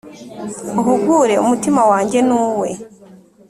uhugure umutima wanjye n'uwe